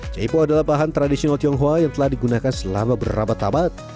jaipo adalah bahan tradisional tionghoa yang telah digunakan selama berabad abad